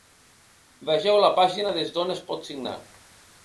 Vegeu la pàgina des d’on es pot signar.